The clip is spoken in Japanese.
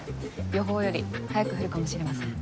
予報より早く降るかもしれません。